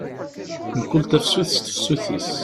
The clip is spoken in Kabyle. Mkul tafsut s tefsut-is.